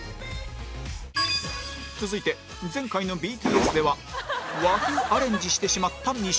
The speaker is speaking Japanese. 続いて前回の ＢＴＳ では和風アレンジしてしまった三島